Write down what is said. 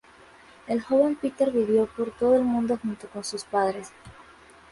El joven Peter vivió por todo el mundo junto con sus padres.